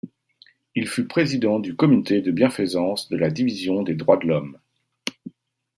Il fut président du comité de bienfaisance de la Division des droits de l'homme.